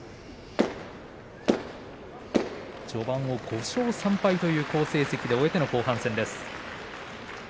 序盤を５勝３敗という好成績で終えての後半戦です。